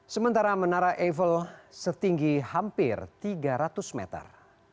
sementara menara eiffel setinggi hampir tiga ratus meter